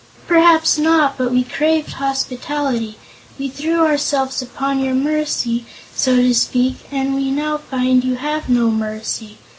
"Perhaps not; but we craved hospitality. We threw ourselves upon your mercy, so to speak, and we now find you have no mercy.